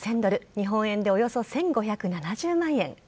日本円でおよそ１５７０万円。